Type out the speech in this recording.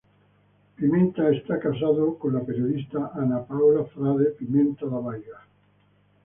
Pimenta está casado con la periodista Anna Paola Frade Pimenta da Veiga.